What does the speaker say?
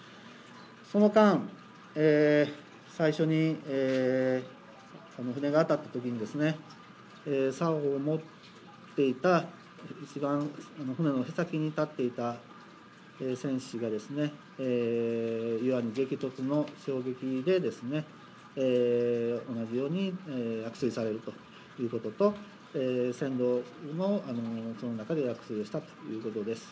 その間、最初にこの船が当たったときに、さおを持っていた一番船の舳先に立っていた船師がですね、岩に激突の衝撃で、同じように落水されるということと、船頭もその中で落水をしたということです。